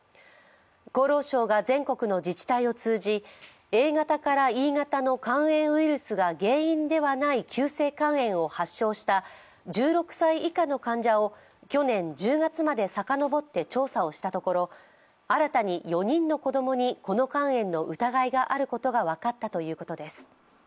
厚労省が全国の自治体を通じ、Ａ型からＥ型の肝炎ウイルスが原因ではない急性肝炎を発症した１６歳以下の患者を去年１０月まで遡って調査をしたところ新たに４人の子供にこの肝炎の疑いがあることが分かったということです。